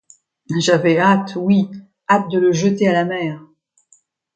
J’avais hâte... oui! hâte de le jeter à la mer.